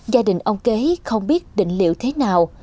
gia đình ông kế không biết định liệu thế nào